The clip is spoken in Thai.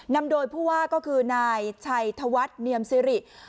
นำโดยผู้ว่าก็คือนายชัยธวัฒน์เนียมซิริ